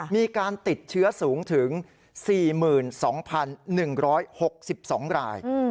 มีการติดเชื้อสูงถึง๔๒๑๖๒ราย